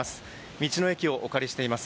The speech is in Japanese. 道の駅をお借りしています。